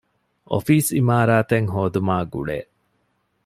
އޮފީސް އިމާރާތެއް ހޯދުމާ ގުޅޭ